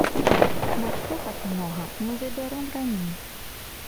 Нашто так многа, мы забяром раней.